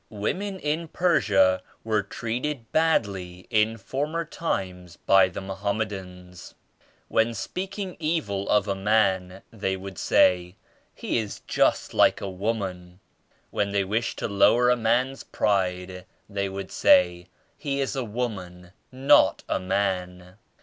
"Women in Persia were treated badly in former times by the Mohammedans. When speaking evil of a man they would say *He is just like a woman.' When they wished to lower a man's pride they would say *He is a woman, not a man.'